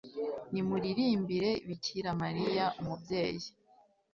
nimuririmbire bikira mariya, umubyeyi